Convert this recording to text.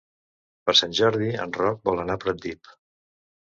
Per Sant Jordi en Roc vol anar a Pratdip.